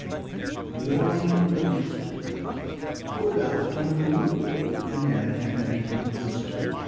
VII WARNING THE ROOSTER "Good Afternoon!" Henrietta Hen greeted the Rooster.